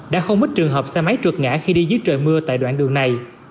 đã không ít trường hợp xe máy trượt ngã khi đi dưới trời mưa tại đoạn đường này